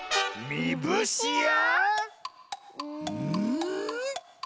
みぶしあ！